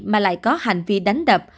mà lại có hành vi đánh đập